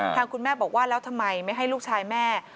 คุณแม่บอกว่าแล้วทำไมไม่ให้ลูกชายแม่